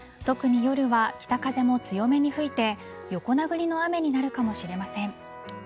特に、夜は北風も強めに吹いて横殴りの雨になるかもしれません。